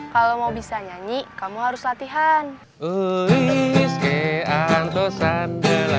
kalau mau bisa nyanyi kamu harus latihan